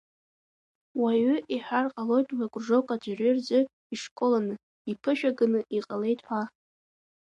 Уаҩы иҳәар ҟалоит уи акружок аӡәырҩы рзы ишколаны, иԥышәаганы иҟалеит ҳәа.